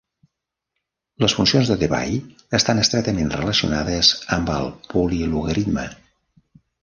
Les funcions de Debye estan estretament relacionades amb el polilogaritme.